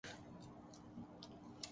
کو پشیماں ہوں